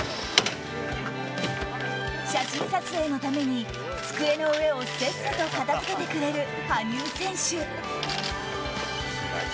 写真撮影のために机の上をせっせと片付けてくれる羽生選手。